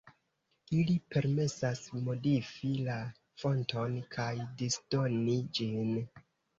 Ili permesas modifi la fonton kaj disdoni ĝin.